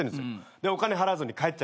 でお金払わずに帰っちゃうやつ。